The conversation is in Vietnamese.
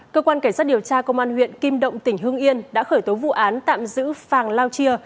cơ quan cảnh sát điều tra công an huyện kim động tỉnh hưng yên đã khởi tố vụ án tạm giữ phàng lao chia